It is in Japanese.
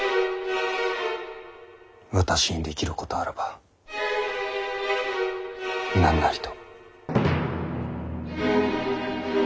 私にできることあらばなんなりと。